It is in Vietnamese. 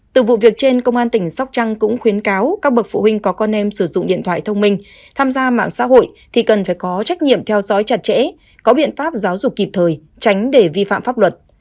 từ vụ việc trên công an tỉnh sóc trăng cũng khuyến cáo các bậc phụ huynh có con em sử dụng điện thoại thông minh tham gia mạng xã hội thì cần phải có trách nhiệm theo dõi chặt chẽ có biện pháp giáo dục kịp thời tránh để vi phạm pháp luật